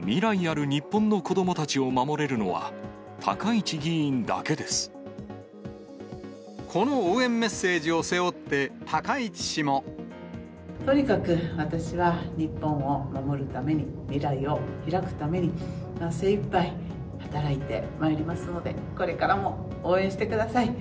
未来ある日本の子どもたちをこの応援メッセージを背負っとにかく私は日本を守るために、未来をひらくために、精いっぱい働いてまいりますので、これからも応援してください。